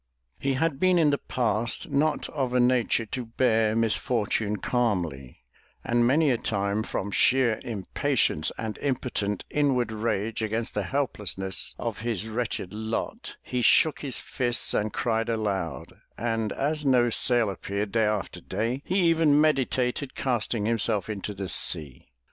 He had been in the past not of a nature to bear misfortune calmly, and many a time from sheer impatience and impotent inward rage against the helplessness of his wretched lot he shook his fists and cried aloud; and as no sail appeared day after day, he even meditated casting himself into the sea.